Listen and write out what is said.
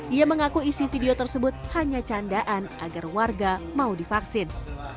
ia mengaku isi video tersebut hanya candaan agar warga mau divaksin